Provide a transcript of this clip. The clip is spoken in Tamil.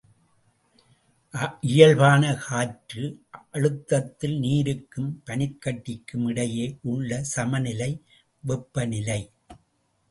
இயல்பான காற்று அழுத்தத்தில் நீருக்கும் பனிக்கட்டிக்கும் இடையே உள்ள சமநிலை வெப்பநிலை.